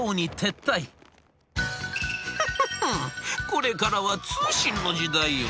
これからは通信の時代よ。